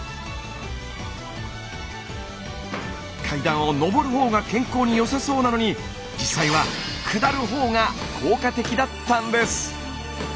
階段を上るほうが健康によさそうなのに実際は下るほうが効果的だったんです！